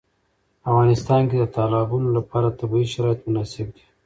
په افغانستان کې د تالابونو لپاره طبیعي شرایط مناسب دي.